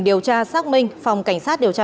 điều tra xác minh phòng cảnh sát điều tra